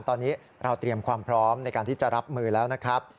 ตอนนี้เราเตรียมความพร้อมในการที่จะรับมือแล้วนะครับ